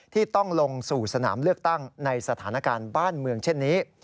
ที่ต้องลงสู่สนามเลือกตั้งในสถานการณ์บ้านเมืองเช่นนี้